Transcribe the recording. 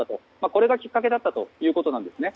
これがきっかけだったということなんですよね。